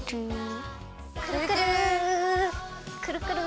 くるくるくるくる。